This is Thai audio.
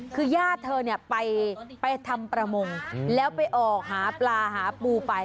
คือญาติเธอเนี่ยไปทำประมงแล้วไปออกหาปลาหาปูไป